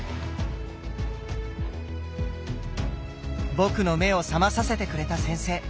僕の目を覚まさせてくれた先生。